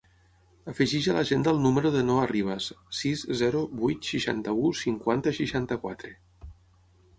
Afegeix a l'agenda el número del Noah Rivas: sis, zero, vuit, seixanta-u, cinquanta, seixanta-quatre.